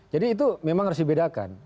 jadi itu memang harus dibedakan